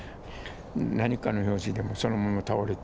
何かの拍子でそのまま斃れて。